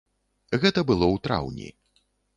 Гэта было ў траўні.